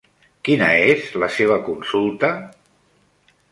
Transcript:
Quina és la seva consulta?